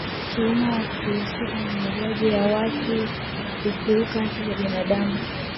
tuhuma ya kuhusika na mauaji ya watu na kukiuka haki za binadamu